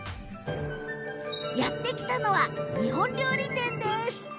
やって来たのは日本料理店です。